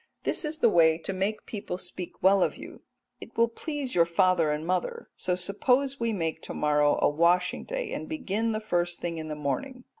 This is the way to make people speak well of you, and it will please your father and mother, so suppose we make to morrow a washing day, and begin the first thing in the morning.